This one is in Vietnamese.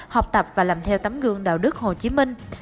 học tập và làm theo tấm gương đạo đức hồ chí minh